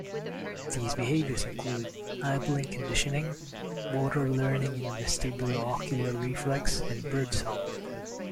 These behaviors include eyeblink conditioning, motor learning in the vestibulo-ocular reflex, and birdsong.